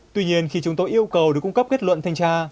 tuy nhiên khi chúng tôi yêu cầu được cung cấp kết luận thanh tra